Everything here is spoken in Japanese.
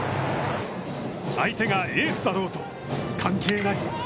相手がエースだろうと関係ない。